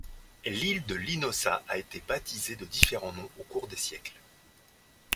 L'île de Linosa a été baptisée de différents noms au cours des siècles.